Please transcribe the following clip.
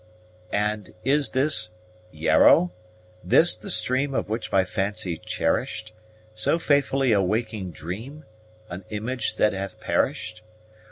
And is this Yarrow? this the stream Of which my fancy cherish'd So faithfully a waking dream? An image that hath perish'd?